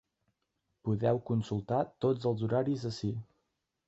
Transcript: Podeu consultar tots els horaris ací.